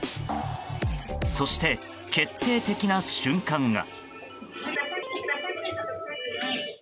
そして、決定的な瞬間が。